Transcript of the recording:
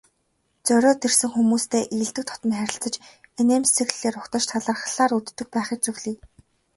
Зориод ирсэн хүмүүстэй эелдэг дотно харилцаж, инээмсэглэлээр угтаж, талархлаар үддэг байхыг зөвлөе.